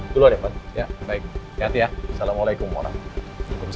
dulu ya baik baik ya assalamualaikum warahmatullah